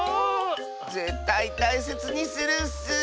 ぜったいたいせつにするッス！